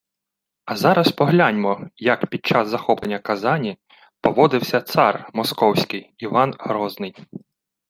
А зараз погляньмо, як під час захоплення Казані поводився «цар» Московський Іван Грозний